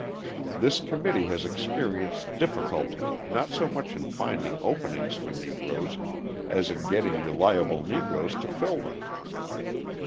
This committee has experienced difficulty not so much in finding openings for Negroes, as in getting reliable Negroes to fill them.